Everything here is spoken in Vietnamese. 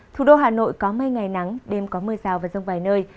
thủ đô hà nội có mây ngày nắng đêm có mưa rào và rông vài nơi